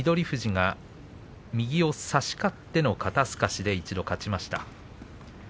富士が右を差し勝っての肩すかしで一度勝ちました。